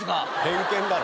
偏見だろ。